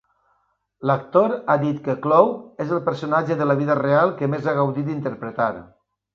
L"actor ha dit que Clough és el personatge de la vida real que més ha gaudit d"interpretar.